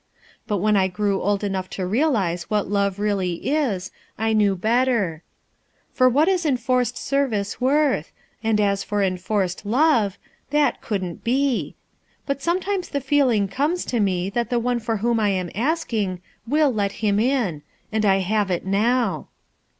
But when I grew old enough to realize what love really is, I knew better; for what is enforced service worth? and as for enforced love, that couldn't be. But sometimes the feeling comes to me that the one for whom I am asking, will let him in; and I have it now."